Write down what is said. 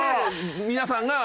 皆さんが。